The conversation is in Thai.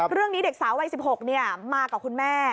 เรื่องนี้เด็กสาววัย๑๖มากับคุณแม่